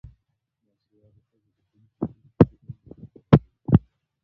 باسواده ښځې د پولیسو په لیکو کې دنده ترسره کوي.